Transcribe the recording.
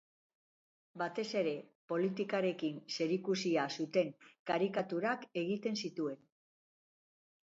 Batez ere politikarekin zerikusia zuten karikaturak egiten zituen.